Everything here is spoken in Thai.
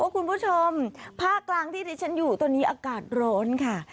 คุณผู้ชมภาคกลางที่ที่ฉันอยู่ตอนนี้อากาศร้อนค่ะ